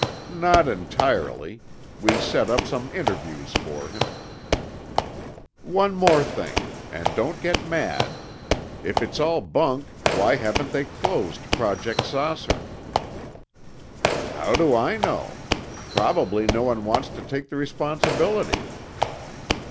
"Not entirely. We set up some interviews for him." "One more thing—and don't get mad. If it's all bunk, why haven't they closed Project 'Saucer'?" "How do I know? Probably no one wants to take the responsibility."